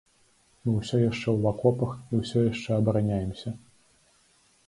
Мы ўсё яшчэ ў акопах і ўсё яшчэ абараняемся.